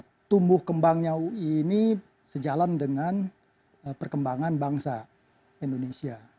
karena tumbuh kembangnya ui ini sejalan dengan perkembangan bangsa indonesia